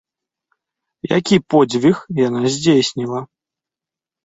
Які подзвіг яна здзейсніла?